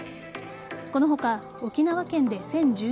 この他、沖縄県で１０１２人